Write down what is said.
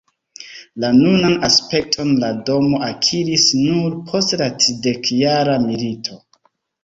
La nunan aspekton la domo akiris nur post la Tridekjara milito.